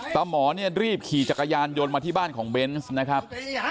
หมอเนี่ยรีบขี่จักรยานยนต์มาที่บ้านของเบนส์นะครับ